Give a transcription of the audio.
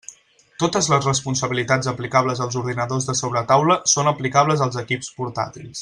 Totes les responsabilitats aplicables als ordinadors de sobretaula són aplicables als equips portàtils.